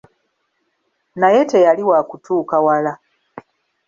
Naye teyali wa kutuuka wala.